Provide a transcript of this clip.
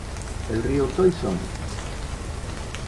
El río Toisón.